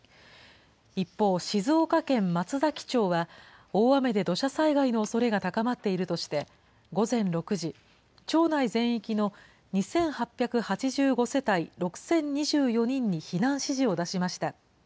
一方、静岡県松崎町は、大雨で土砂災害のおそれが高まっているとして、午前６時、町内全域の２８８５世帯６０２４人に避難指示を出しました。